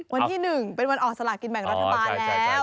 วันที่หนึ่งเป็นวันออกสละกินแบ่งรัฐปราณแล้ว